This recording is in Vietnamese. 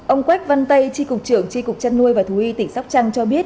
ông quách văn tây tri cục trưởng tri cục chăn nuôi và thú y tỉnh sóc trăng cho biết